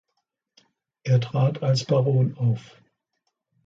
Er trat als Baron auf.